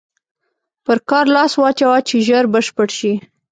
پر کار لاس واچوه چې ژر بشپړ شي.